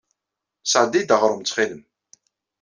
Sɛeddi-iyi-d aɣrum ttxil-m.